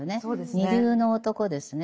二流の男ですね。